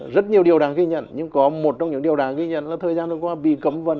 rất nhiều điều đang ghi nhận nhưng có một trong những điều đang ghi nhận là thời gian qua bị cấm vần